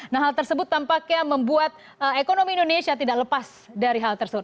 nah hal tersebut tampaknya membuat ekonomi indonesia tidak lepas dari hal tersebut